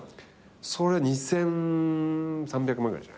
それは２，３００万ぐらいじゃないかな。